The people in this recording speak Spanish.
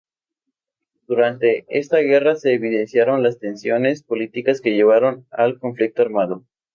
Durante esta guerra se evidenciaron las tensiones políticas que llevaron al conflicto armado.